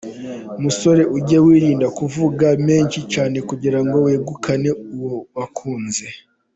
Musore ujye wirinda kuvuga menshi cyane kugira ngo wegukane uwo wakunze.